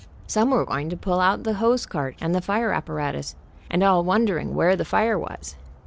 Some were going to pull out the hose cart and the fire apparatus, and all wondering where the fire was.